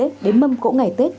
cúng lễ đến mâm cỗ ngày tết